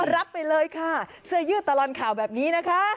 รับไปเลยค่ะเสื้อยืดตลอดข่าวแบบนี้นะคะ